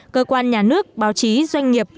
cơ quan nhà nước báo chí doanh nghiệp